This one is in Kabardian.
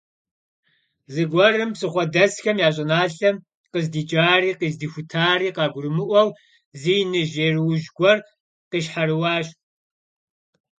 Зэгуэрым псыхъуэдэсхэм я щӀыналъэм, къыздикӀари къыздихутари къагурымыӀуэу, зы иныжь еруужь гуэр къищхьэрыуащ.